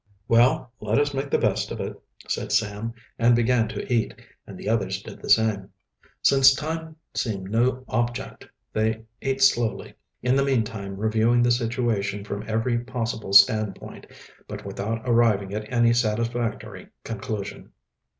"Well, let us make the best of it," said Sam, and began to eat, and the others did the same. Since time seemed no object they ate slowly, in the meantime reviewing the situation from every possible standpoint, but without arriving at any satisfactory conclusion.